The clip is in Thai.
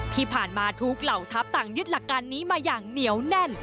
ที่ผ่านมาทุกเหล่าทัพต่างยึดหลักการนี้มาอย่างเหนียวแน่น